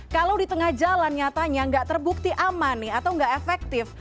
kalau di tengah jalan nyatanya nggak terbukti aman nih atau nggak efektif